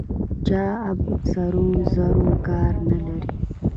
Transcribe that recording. چاه اب سرو زرو کان لري؟